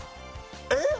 えっ！？